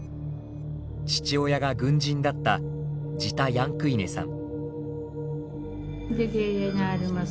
父親が軍人だったジタ・ヤンクイネさん。